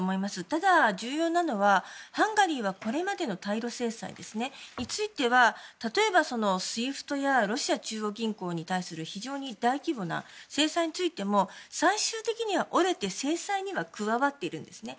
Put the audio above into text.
ただ、重要なのはハンガリーはこれまでの対露制裁については例えばＳＷＩＦＴやロシア中央銀行に対する非常に大規模な制裁についても最終的には折れて制裁には加わっているんですね。